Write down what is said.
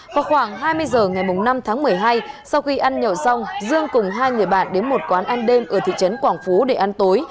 vào khoảng hai mươi h ngày năm tháng một mươi hai sau khi ăn nhậu xong dương cùng hai người bạn đến một quán ăn đêm ở thị trấn quảng phú để ăn tối